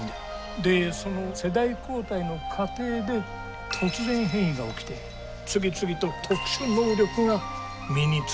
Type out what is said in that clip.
でその世代交代の過程で突然変異が起きて次々と特殊能力が身についてくんですね。